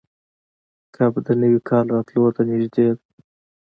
کب د نوي کال راتلو ته نږدې ده.